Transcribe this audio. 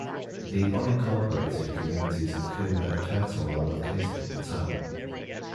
The unincorporated communities of Coomer and Hertel are located in the town.